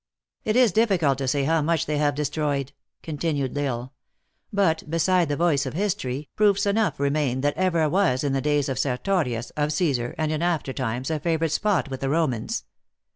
"It is difficult to say how much they have de stroyed," continued L Isle. "But, beside the voice of history, proofs enough remain that Evora was, in the days of Sertorius, of Caesar, and in after times, a favorite spot with the Romans.